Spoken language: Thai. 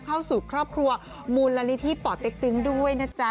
เข้าสู่ครอบครัวมูลนิธิป่อเต็กตึงด้วยนะจ๊ะ